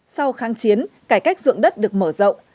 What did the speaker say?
sau kháng chiến cải cách dụng đất được mở rộng